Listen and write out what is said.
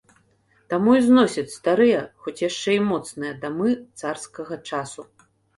Таму і зносяць старыя, хоць яшчэ і моцныя дамы царскага часу.